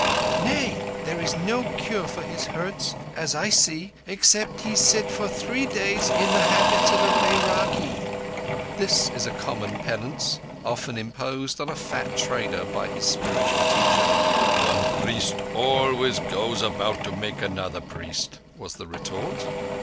"Nay. There is no cure for his hurts, as I see, except he sit for three days in the habit of a bairagi." This is a common penance, often imposed on a fat trader by his spiritual teacher. "One priest always goes about to make another priest," was the retort.